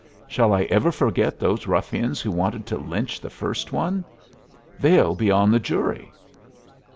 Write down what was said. Shall I ever forget those ruffians who wanted to lynch the first one? They'll be on the jury!"